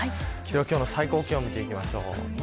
今日の最高気温見ていきます。